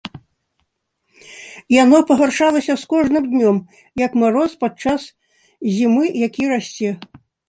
Яно пагаршалася з кожным днём, як мароз падчас зімы, які расце.